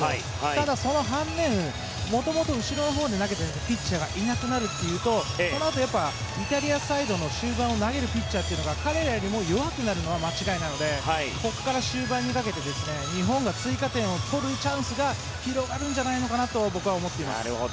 ただその反面もともと後ろのほうで投げていたピッチャーがいなくなるというとそのあとイタリアサイドの中盤を投げるピッチャーが彼らよりも弱くなるのは間違いないのでここから終盤にかけて日本が追加点を取るチャンスが広がるんじゃないかと僕は思っています。